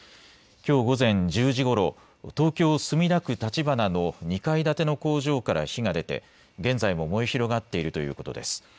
きょう午前１０時ごろ、東京墨田区立花の２階建ての工場から火が出て現在も燃え広がっているということです。